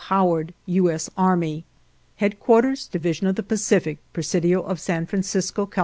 Howard, U. S. Army. u Headquarters Division of the Pacific, " Presidio of San Francisco, Cal.